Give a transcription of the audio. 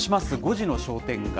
５時の商店街。